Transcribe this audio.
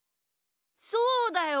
そうだよ！